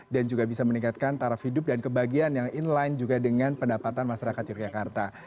dan juga bisa meningkatkan taraf hidup dan kebahagiaan yang inline juga dengan pendapatan masyarakat yogyakarta